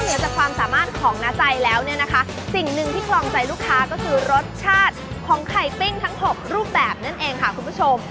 เหนือจากความสามารถของน้าใจแล้วเนี่ยนะคะสิ่งหนึ่งที่คลองใจลูกค้าก็คือรสชาติของไข่ปิ้งทั้ง๖รูปแบบนั่นเองค่ะคุณผู้ชม